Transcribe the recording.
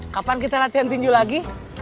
kapan kita latihan tinju lagi